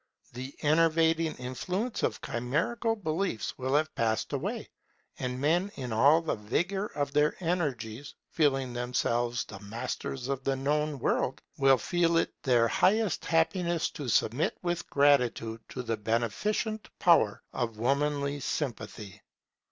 The enervating influence of chimerical beliefs will have passed away; and men in all the vigour of their energies, feeling themselves the masters of the known world, will feel it their highest happiness to submit with gratitude to the beneficent power of womanly sympathy.